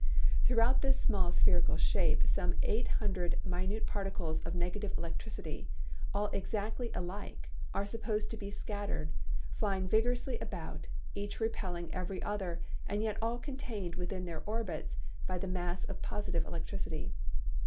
Throughout this small spherical space some eight hundred minute particles of negative electricity, all ex actly alike, are supposed to be scattered, flying vigorously about, each repelling every other and yet all contained within their orbits by the mass of positive electricity.